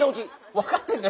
分かってんね？